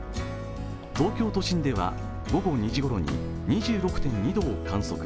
東京都心では、午後２時ごろに２６．２度を観測。